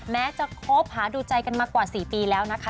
แม้จะคบหาดูใจกันมากว่า๔ปีแล้วนะคะ